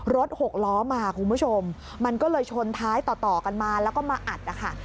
หกล้อมาคุณผู้ชมมันก็เลยชนท้ายต่อต่อกันมาแล้วก็มาอัดนะคะ